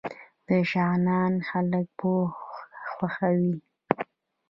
د شغنان خلک پوهه خوښوي